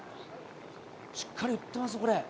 しっかり打ってます、これ。